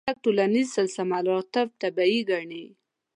ډېری خلک ټولنیز سلسله مراتب طبیعي ګڼي.